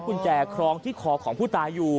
กุญแจครองที่คอของผู้ตายอยู่